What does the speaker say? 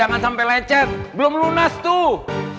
jangan sampai lecet belum lunas tuh